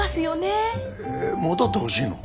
え戻ってほしいの？